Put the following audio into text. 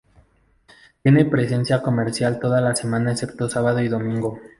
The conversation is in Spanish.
Tiene presencia comercial toda la semana excepto sábado y domingo.